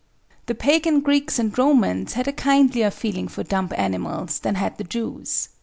The pagan Greeks and Romans had a kindlier feeling for dumb animals than had the Jews.